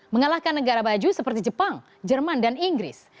mengalahkan negara baju seperti jepang jerman dan inggris